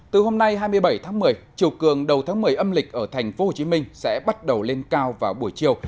từ hôm nay hai mươi bảy tháng một mươi chiều cường đầu tháng một mươi âm lịch ở tp hcm sẽ bắt đầu lên cao vào buổi chiều